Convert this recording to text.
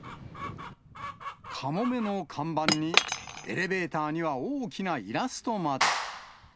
カモメの看板に、エレベーターには大きなイラストまで。